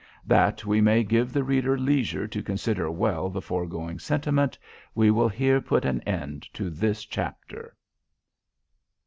That we may give the reader leisure to consider well the foregoing sentiment, we will here put an end to this chapter.